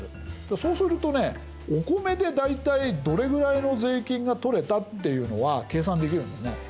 そうするとねお米で大体どれぐらいの税金が取れたっていうのは計算できるんですね。